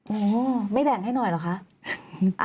โอ้โหไม่แบ่งให้หน่อยเหรอคะ